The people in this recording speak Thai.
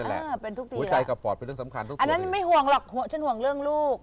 อันนั้นไม่ห่วงหล่ะฉันห่วงเรื่องลูก